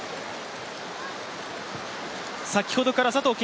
先ほどから佐藤恵